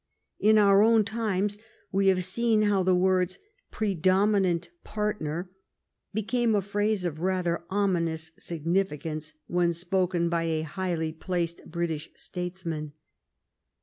In our own times we have seen how the words " predominant partner " became a phrase of rather ominous significance when spoken by a highly placed British statesman.